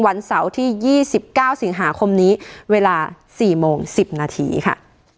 วันเสาร์ที่ยี่สิบเก้าสิงหาคมนี้เวลาสี่โมงสิบนาทีค่ะ